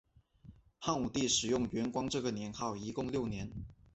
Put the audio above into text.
汉武帝使用元光这个年号一共六年。